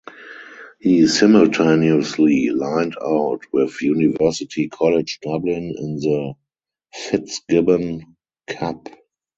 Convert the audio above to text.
He simultaneously lined out with University College Dublin in the Fitzgibbon Cup.